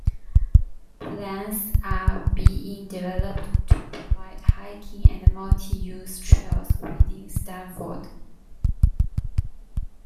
Plans are being developed to provide hiking and multi-use trails within Stafford.